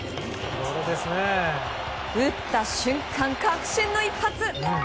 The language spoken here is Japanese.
打った瞬間、確信の一発。